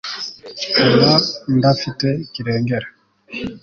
nkaba ndafite kirengera